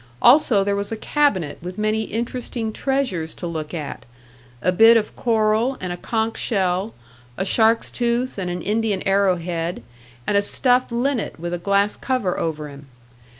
Also there was a cabinet with many interesting treasures to look at a bit of coral and a conch shell, a shark's tooth and an Indian arrow head, and a stuffed linnet with a glass cover over him.